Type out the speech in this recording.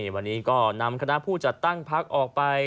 วันนี้ก็นำคณะผู้จัดตั้งพักออกไป